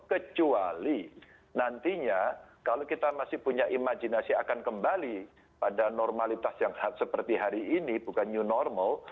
kecuali nantinya kalau kita masih punya imajinasi akan kembali pada normalitas yang seperti hari ini bukan new normal